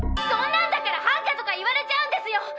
そんなんだからハンカとか言われちゃうんですよ。